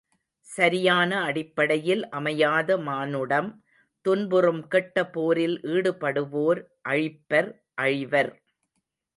சரியான அடிப்படையில் அமையாத மானுடம் துன்புறும் கெட்ட போரில் ஈடுபடுவோர் அழிப்பர் அழிவர்.